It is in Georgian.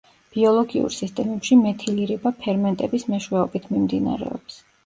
ბიოლოგიურ სისტემებში მეთილირება ფერმენტების მეშვეობით მიმდინარეობს.